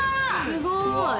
すごい！